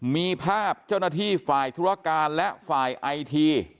มีภาพเจ้าหน้าที่ฝ่ายธุรการและฝ่ายไอที